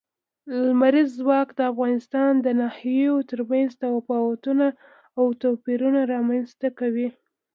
لمریز ځواک د افغانستان د ناحیو ترمنځ تفاوتونه او توپیرونه رامنځ ته کوي.